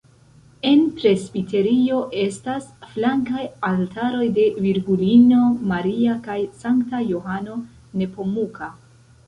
En presbiterejo estas flankaj altaroj de Virgulino Maria kaj Sankta Johano Nepomuka.